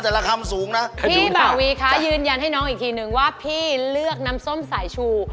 ละคำสูงนะพี่บ่าวีคะยืนยันให้น้องอีกทีนึงว่าพี่เลือกน้ำส้มสายชู